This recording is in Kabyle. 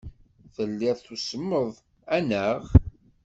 Telliḍ tusmeḍ, anaɣ?